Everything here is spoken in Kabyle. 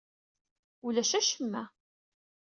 Ulac acemma!